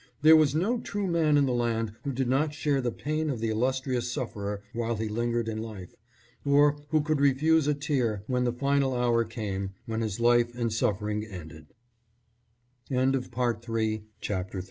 There was no true man in the land who did not share the pain of the illustrious sufferer while he lingered in life, or who could refuse a tear when the final hour came when his life and sufferi